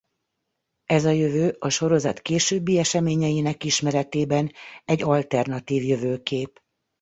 Ez a jövő a sorozat későbbi eseményeinek ismeretében egy alternatív jövőkép.